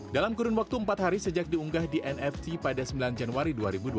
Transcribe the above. dalam kurun waktu empat hari sejak diunggah di nft pada sembilan januari dua ribu dua puluh